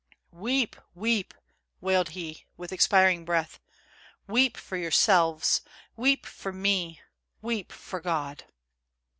"Weep, weep," wailed he, with expiring breath; " weep for yourselves, weep for me, weep for God